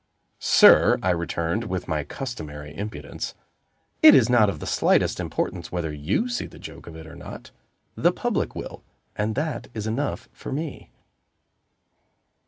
"Sir," I returned, with my customary impudence, "it is not of the slightest importance whether you see the joke of it or not. The public will and that is enough for me."